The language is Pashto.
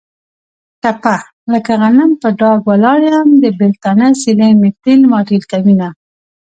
ټپه: لکه غنم په ډاګ ولاړ یم. د بېلتانه سیلۍ مې تېل ماټېل کوینه.